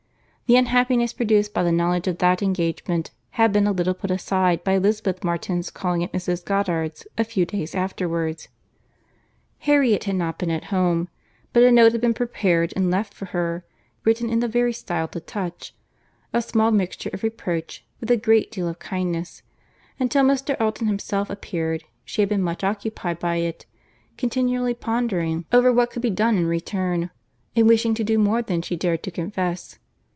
The unhappiness produced by the knowledge of that engagement had been a little put aside by Elizabeth Martin's calling at Mrs. Goddard's a few days afterwards. Harriet had not been at home; but a note had been prepared and left for her, written in the very style to touch; a small mixture of reproach, with a great deal of kindness; and till Mr. Elton himself appeared, she had been much occupied by it, continually pondering over what could be done in return, and wishing to do more than she dared to confess.